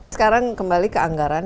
sekarang kembali ke anggaran